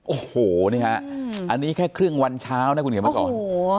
โอ้โหนี่ฮะอันนี้แค่ครึ่งวันเช้านะคุณเขียนมาสอน